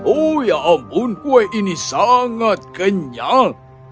oh ya ampun kue ini sangat kenyal